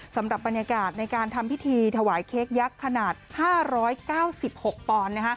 สำหรับบรรยากาศในการทำพิธีถวายเค้กยักษ์ขนาด๕๙๖ปอนด์